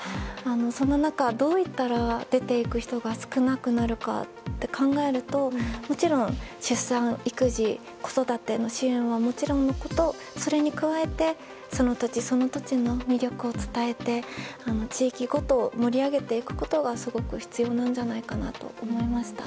そんな中、どうやったら出ていく人が少なくなるかと考えると出産、育児、子育ての支援はもちろんのこと、それに加えてその土地その土地の魅力を伝えて地域ごとに盛り上げていくことが必要なんじゃないかと思いました。